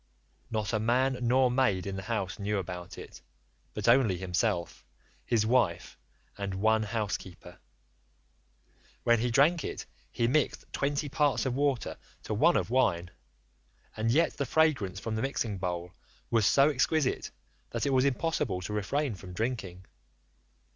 Not a man nor maid in the house knew about it, but only himself, his wife, and one housekeeper: when he drank it he mixed twenty parts of water to one of wine, and yet the fragrance from the mixing bowl was so exquisite that it was impossible to refrain from drinking.